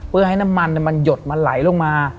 เพื่อให้น้ำมันมันหยดมันไหลลงมา